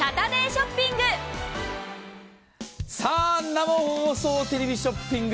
生放送テレビショッピング。